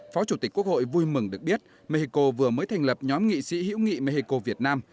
phó chủ tịch quốc hội vui mừng được biết mexico vừa mới thành lập nhóm nghị sĩ hữu nghị mexico việt nam